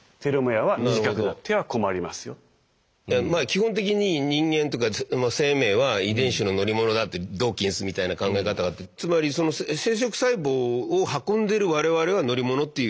基本的に人間とか生命は遺伝子の乗り物だってドーキンスみたいな考え方があってつまりその生殖細胞を運んでる我々は乗り物っていうことですよね？